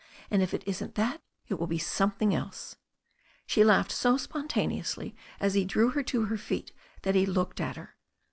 And if it isn't that it will be something else." SheHaughed so spontaneously as he drew her to her feet that he looked at her.